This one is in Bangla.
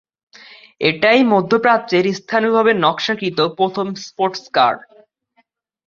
এটাই মধ্যপ্রাচ্যের স্থানীয়ভাবে নকশাকৃত প্রথম স্পোর্টস কার।